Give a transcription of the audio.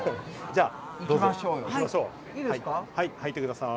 じゃあ。